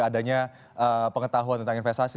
adanya pengetahuan tentang investasi